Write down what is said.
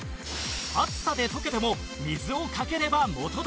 暑さで溶けても水をかければ元どおり！